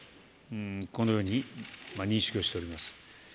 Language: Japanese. このように認識をしております。